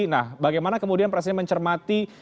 nah bagaimana kemudian presiden mencermati